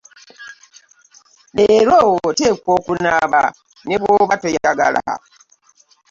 Leero oteekwa okunaaba ne bw'oba toyagala.